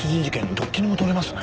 どっちにも取れますね。